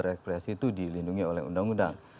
kami dalam sistem berepresi itu dilindungi oleh undang undang